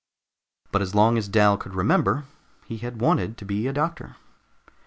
But as long as Dal could remember, he had wanted to be a doctor.